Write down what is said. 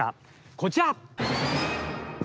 こちら！